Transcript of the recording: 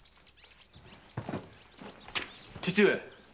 父上。